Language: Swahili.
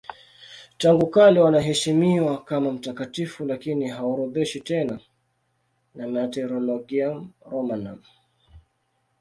Tangu kale wanaheshimiwa kama mtakatifu lakini haorodheshwi tena na Martyrologium Romanum.